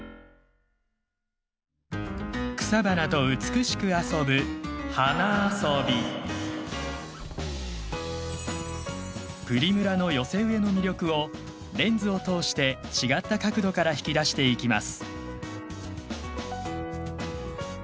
草花と美しく遊ぶプリムラの寄せ植えの魅力をレンズを通して違った角度から引き出していきます。